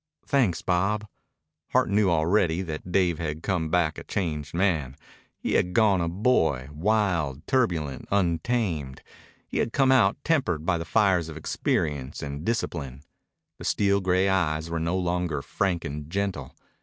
"Thanks, Bob." Hart knew already that Dave had come back a changed man. He had gone in a boy, wild, turbulent, untamed. He had come out tempered by the fires of experience and discipline. The steel gray eyes were no longer frank and gentle.